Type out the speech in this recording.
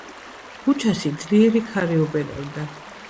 ქუჩაში ძლიერი ქარი უბერავდა.